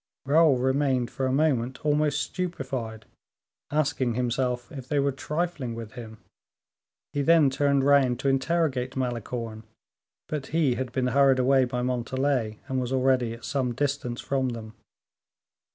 Raoul remained for a moment almost stupefied, asking himself if they were trifling with him; he then turned round to interrogate Malicorne, but he had been hurried away by Montalais, and was already at some distance from them.